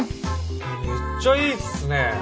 めっちゃいいっすね。